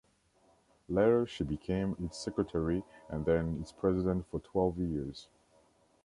Later she became its secretary, and then its president for twelve years.